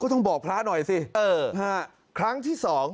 ก็ต้องบอกพระอาทิตย์หน่อยสิ